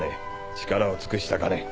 力を尽くしたかね。